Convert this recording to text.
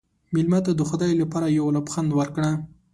مېلمه ته د خدای لپاره یو لبخند ورکړه.